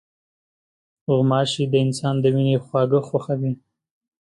غوماشې د انسان د وینې خواږه خوښوي.